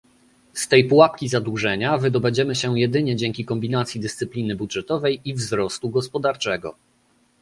Z tej pułapki zadłużenia wydobędziemy się jedynie dzięki kombinacji dyscypliny budżetowej i wzrostu gospodarczego